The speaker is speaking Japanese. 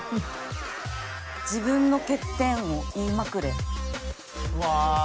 「自分の欠点を言いまくれ」うわー！